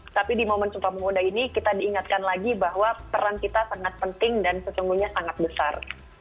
tapi di momen sumpah pemuda ini kita diingatkan lagi bahwa peran kita sangat penting dan sesungguhnya sangat besar